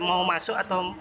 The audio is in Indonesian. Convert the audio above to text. mau masuk atau